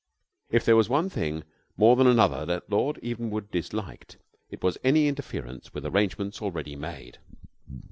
If there was one thing more than another that Lord Evenwood disliked, it was any interference with arrangements already made.